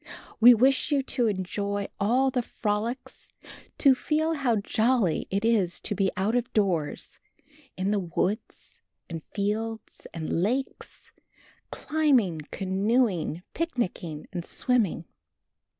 We wish you to enjoy all the frolics, to feel how jolly it is to be out of doors in the woods and fields and lakes, climbing, canoeing, picnicing, and swimming.